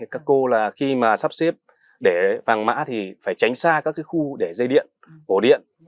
các cô khi sắp xếp để vàng mã thì phải tránh xa các khu để dây điện hổ điện